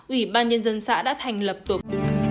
ủy ban nhân dân xã đã thành lập tục